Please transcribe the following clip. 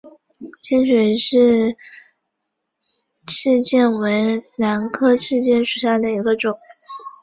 清水氏赤箭为兰科赤箭属下的一个种。